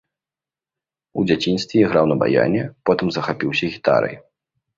У дзяцінстве іграў на баяне, потым захапіўся гітарай.